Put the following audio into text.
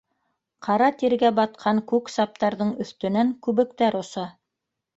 Ҡара тиргә батҡан күк саптарҙың өҫтөнән күбектәр оса.